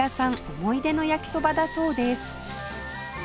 思い出の焼きそばだそうです